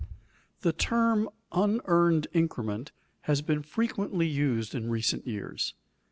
The term "unearned increment" has been frequently used in recent years.